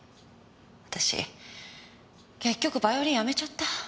私結局ヴァイオリンやめちゃった。